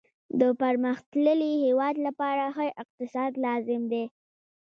د پرمختللي هیواد لپاره ښه اقتصاد لازم دی